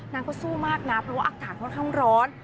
นางก็สู้มากนะเพราะว่าอากาศค่อนข้างร้อน